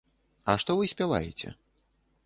А што вы спяваеце?